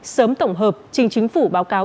sớm tổng hợp trình chính phủ báo cáo